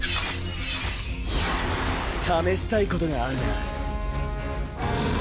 試したいことがあるな。